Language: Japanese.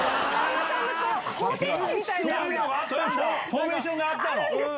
フォーメーションがあったの！